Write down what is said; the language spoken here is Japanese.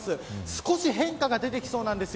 少し変化が出てきそうなんです。